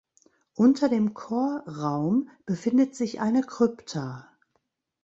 Unter dem Chorraum befindet sich eine Krypta.